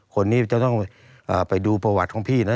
คนนี้จะต้องไปดูประวัติของพี่นะ